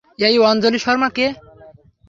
এই আঞ্জলি শর্মা কে?